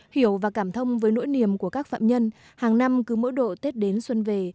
hiểu và cảm thông với nỗi niềm của các phạm nhân hàng năm cứ mỗi độ tết đến xuân về